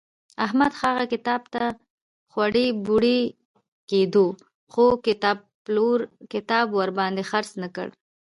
احمد هغه کتاب ته خوړی بوړی کېدو خو کتابپلور کتاب ورباندې خرڅ نه کړ.